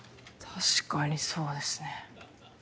確かにそうですね。